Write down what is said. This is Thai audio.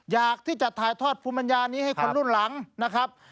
อยากที่จะถ่ายทอดภูมิปัญญานี้ให้คนรุ่นหลังนะครับ